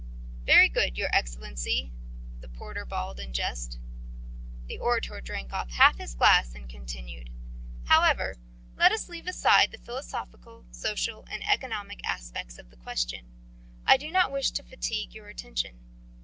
"Very good, your Excellency!" the porter bawled in jest. The orator drank off half a glass and continued: "However, let us leave aside the philosophical, social, and economic aspects of the question. I do not wish to fatigue your attention.